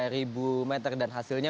tiga ribu meter dan hasilnya